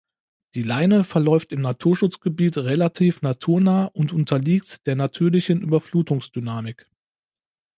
Die Leine verläuft im Naturschutzgebiet relativ naturnah und unterliegt der natürlichen Überflutungsdynamik.